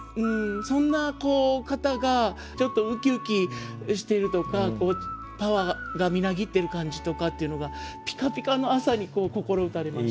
そんな方がちょっとうきうきしているとかパワーがみなぎっている感じとかっていうのが「ぴかぴかの朝」に心打たれました。